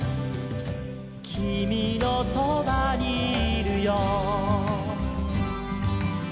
「きみのそばにいるよ」